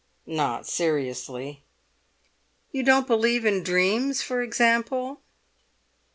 "Not seriously." "You don't believe in dreams, for example?"